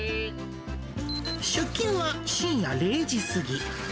出勤は深夜０時過ぎ。